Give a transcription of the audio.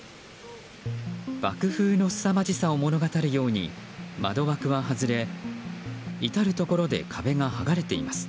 爆発の大きさを物語るように窓枠は外れ、至るところで壁がはがれています。